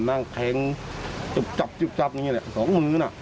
นั่งแทงจุบนี่แหละ๒มื้อน่ะ